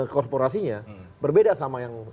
korporasinya berbeda sama yang